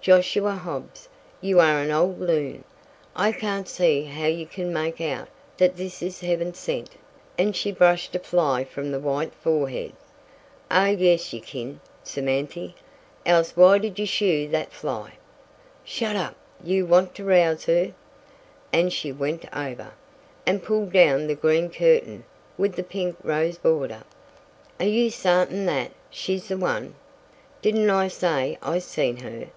"Josiah Hobbs! You are an old loon! I can't see how you kin make out that this is heaven sent," and she brushed a fly from the white forehead. "Oh yes you kin, Samanthy. Else why did you shoo thet fly?" "Shet up! Do you want to rouse her?" and she went over, and pulled down the green curtain with the pink rose border. "Are you sartin thet she's the one?" "Didn't I say I seen her?